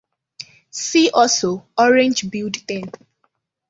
See also orange-billed tern.